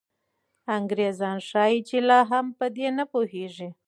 انګریزان ښایي چې لا هم په دې نه پوهېږي.